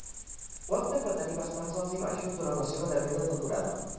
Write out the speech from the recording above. Walter va tenir bastants alts i baixos durant la seva darrera temporada.